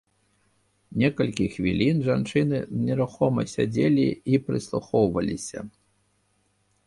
Некалькі хвілін жанчыны нерухома сядзелі і прыслухоўваліся.